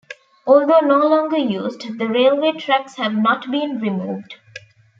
Although no longer used, the railway tracks have not been removed.